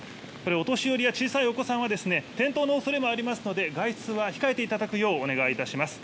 お年寄りや小さなお子さんは転倒の恐れもありますので外出は控えていただきますようお願いします。